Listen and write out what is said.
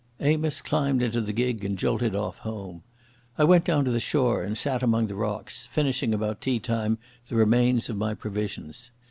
Amos climbed into the gig and jolted off home. I went down to the shore and sat among the rocks, finishing about tea time the remains of my provisions.